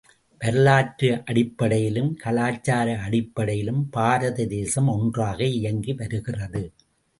வரலாற்று அடிப்படையிலும் கலாச்சார அடிப்படையிலும் பாரத தேசம் ஒன்றாக இயங்கிவருகிறது.